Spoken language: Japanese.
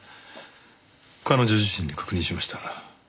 彼女自身に確認しました。